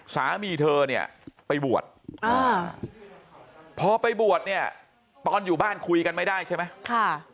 สามีเธอเนี่ยไปบวชพอไปบวชเนี่ยตอนอยู่บ้านคุยกันไม่ได้ใช่ไหม